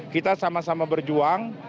kita sama sama berjuang